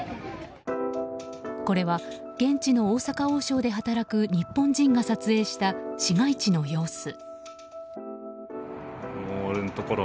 これは現地の大阪王将で働く日本人が撮影した市街地の様子。